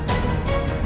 scriber gak bertan artist